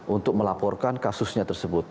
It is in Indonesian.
untuk melaporkan kasusnya tersebut